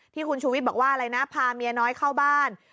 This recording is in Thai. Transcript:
ที่คุณชูวิทย์บอกว่าอะไรนะพาเมียน้อยเข้าบ้าน